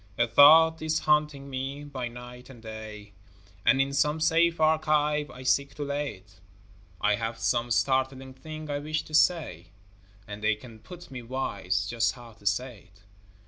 A thought is haunting me by night and day, And in some safe archive I seek to lay it; I have some startling thing I wish to say, And they can put me wise just how to say it.